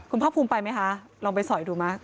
คุณภาคภูมิไปไหมคะลองไปสอยดูมั้